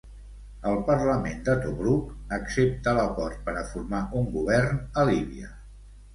El parlament de Tobruk accepta l'acord per a formar un govern a Líbia.